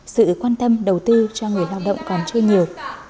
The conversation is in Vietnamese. sự quan tâm đầu tư cho người lao động còn chưa nhiều